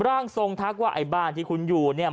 ร่างสงทักว่าที่คุณอยู่เนี่ย